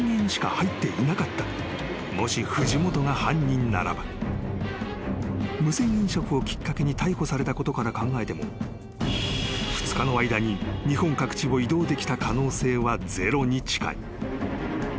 ［もし藤本が犯人ならば無銭飲食をきっかけに逮捕されたことから考えても２日の間に日本各地を移動できた可能性はゼロに近い］